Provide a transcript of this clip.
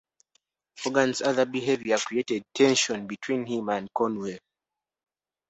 Hogan's other behavior created tension between him and Conwell.